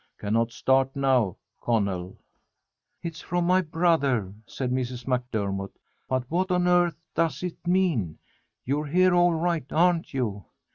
Cannot start now. Connell." "It's from my brother," said Mrs. MacDermott, "but what on earth does it mean? You're here all right, aren't you?"